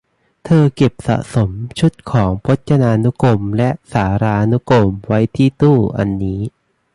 เธอเก็บสะสมชุดของพจนานุกรมและสารานุกรมไว้ที่ตู้อันนี้